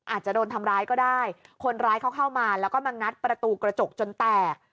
อาจจะโดนทำร้ายก็ได้คนร้ายเขาเข้ามาแล้วก็มางัดประตูกระจกจนแตก